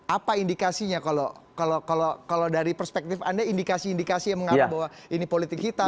apa indikasinya kalau dari perspektif anda indikasi indikasi yang mengarah bahwa ini politik hitam